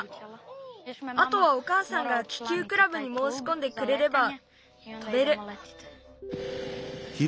あとはおかあさんが気球クラブにもうしこんでくれれば飛べる。